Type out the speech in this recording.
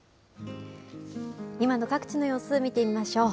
今の各地の様子、見てみましょう。